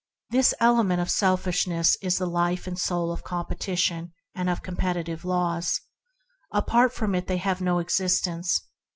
This element of selfishness is the life and soul of competition and of the competitive laws. Apart from it they have no existence.